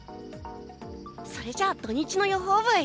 それじゃあ土日の予想ブイ！